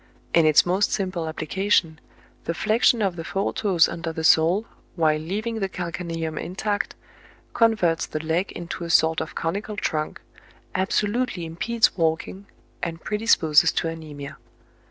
In its most simple application, the flexion of the four toes under the sole, while leaving the calcaneum intact, converts the leg into a sort of conical trunk, abso lutely impedes walking, and predisposes to anemia.